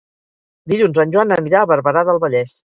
Dilluns en Joan anirà a Barberà del Vallès.